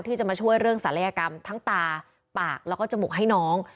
ที่จะมาช่วยเรื่องศัลยกรรมทั้งตาปากแล้วก็จมูกให้น้อง